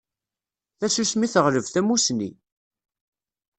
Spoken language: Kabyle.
Tasusmi teɣleb tamusni.